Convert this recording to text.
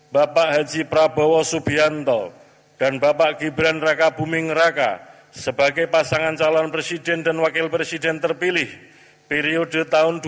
bapak haji prabowo subianto dan bapak gibran raka buming raka sebagai pasangan calon presiden dan wakil presiden terpilih periode dua ribu dua puluh empat dua ribu dua puluh sembilan